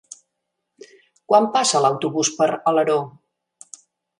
Quan passa l'autobús per Alaró?